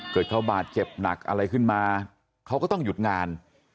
เกิดเขาบาดเจ็บหนักอะไรขึ้นมาเขาก็ต้องหยุดงาน